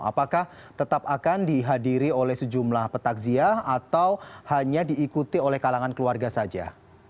apakah tetap akan dihadiri oleh sejumlah petakziah atau hanya diikuti oleh kalangan keluarga saja